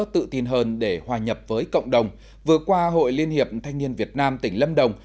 tự tin hơn để hòa nhập với cộng đồng vừa qua hội liên hiệp thanh niên việt nam tỉnh lâm đồng